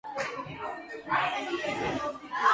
შენც შეგეძლო, ქალაქის სახელოვნებო სცენა დაგეპყრო.